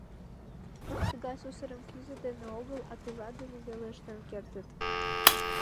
— Тыгай сусырым кӱзӧ дене огыл, а пила дене веле ыштен кертыт.